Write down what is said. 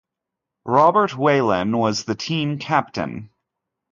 Robert Whelan was the team captain.